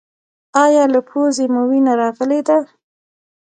ایا له پوزې مو وینه راغلې ده؟